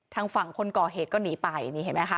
ทางฝั่งคนก่อเหตุก็หนีไปนี่เห็นไหมคะ